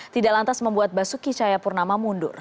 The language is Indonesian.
tidak lantas membuat basuki cahayapurnama mundur